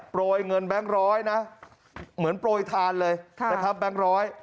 โรยเงินแบงค์ร้อยนะเหมือนโปรยทานเลยนะครับแบงค์ร้อย